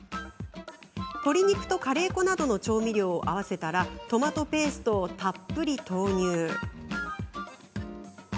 鶏肉とカレー粉などの調味料を合わせたらトマトペーストをたっぷり投入。